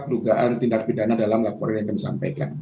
dugaan tindak pidana dalam laporan yang kami sampaikan